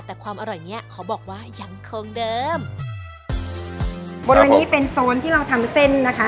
แต่ความอร่อยเนี้ยขอบอกว่ายังเคิงเดิมบริเวณนี้เป็นโซนที่เราทำเส้นนะคะ